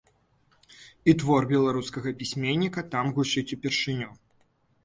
І твор беларускага пісьменніка там гучыць упершыню.